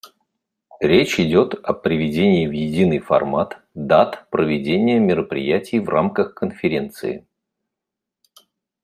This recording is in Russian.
Речь идет о приведении в единый формат дат проведения мероприятий в рамках Конференции.